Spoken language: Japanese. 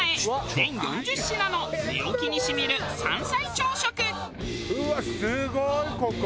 全４０品の寝起きに染みる山菜朝食。